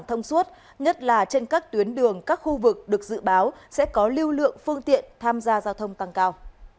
thông suốt nhất là trên các tuyến đường các khu vực được dự báo sẽ có lưu lượng phương tiện tham gia giao thông tăng cao